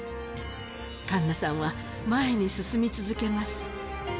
栞奈さんは前に進み続けます。